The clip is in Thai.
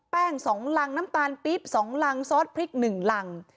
๒รังน้ำตาลปี๊บ๒รังซอสพริก๑รัง